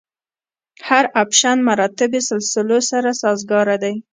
هر اپشن مراتبي سلسلو سره سازګاره دی.